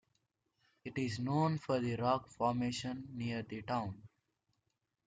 It is known for the rock formation near the town.